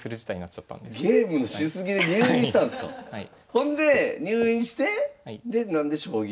ほんで入院してで何で将棋に？